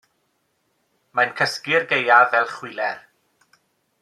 Mae'n cysgu'r gaeaf fel chwiler.